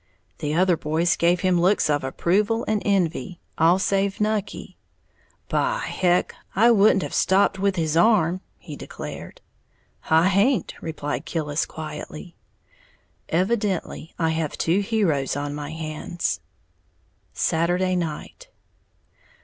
The other boys gave him looks of approval and envy, all save Nucky. "By Heck, I wouldn't have stopped with his arm," he declared. "I haint," replied Killis, quietly. Evidently I have two heroes on my hands! _Saturday Night.